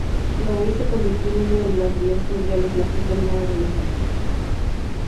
Louis se convirtió en uno de las vías fluviales más contaminadas del estado.